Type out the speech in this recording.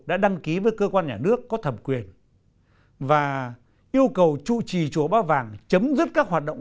đã đăng ký với cơ quan nhà nước có thẩm quyền và yêu cầu trụ trì chùa ba vàng chấm dứt các hoạt động